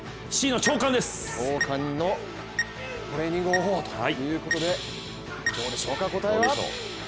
長官のトレーニング方法ということでどうでしょうか、答えは。